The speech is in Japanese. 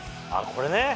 これね。